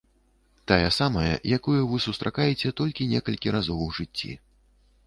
Тая самая, якую вы сустракаеце толькі некалькі разоў у жыцці.